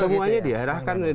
semuanya diarahkan ke situ